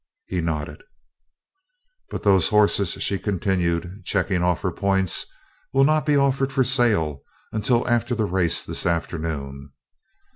He nodded. "But those horses," she continued, checking off her points, "will not be offered for sale until after the race this afternoon.